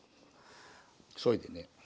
そいでね。